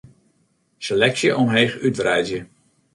Seleksje omheech útwreidzje.